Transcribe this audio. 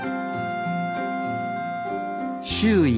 周囲